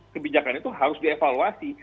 kebijakan itu harus dievaluasi